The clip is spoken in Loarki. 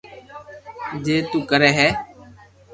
جي تو ڪري ھي